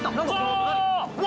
うわ！